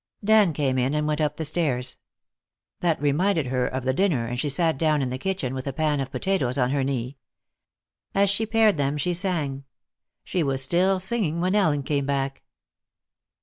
Dan came in and went up the stairs. That reminded her of the dinner, and she sat down in the kitchen with a pan of potatoes on her knee. As she pared them she sang. She was still singing when Ellen came back.